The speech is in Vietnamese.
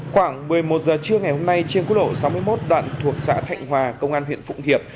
khoảng một mươi một giờ trưa ngày hôm nay trên quốc lộ sáu mươi một đoạn thuộc xã thạnh hòa công an huyện phụng hiệp